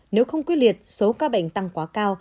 nếu không quyết liệt số ca bệnh tăng quá cao